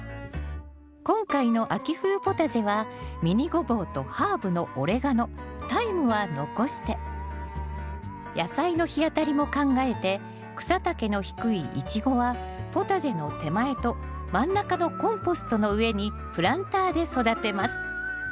今回の秋冬ポタジェはミニゴボウとハーブのオレガノタイムは残して野菜の日当たりも考えて草丈の低いイチゴはポタジェの手前と真ん中のコンポストの上にプランターで育てます。